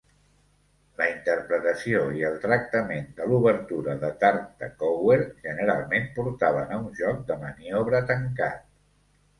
La interpretació i el tractament de l'obertura de Tartakower generalment portaven a un joc de maniobra tancat.